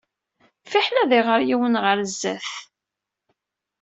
Fiḥel ad iɣer yiwen ɣer zzat.